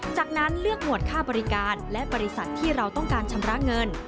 จากนั้นเลือกหมวดค่าบริการและบริษัทที่เราต้องการชำระเงิน